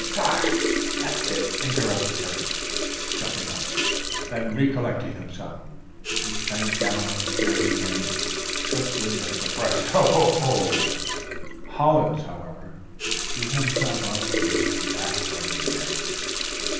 "'Gosh! that's it!' interrupted Perkins, jumping up; then, recollecting himself, he sank down on the steps again, and shook with a suppressed 'Ho! ho! ho!' "Hollins, however, drew himself up with an exasperated air.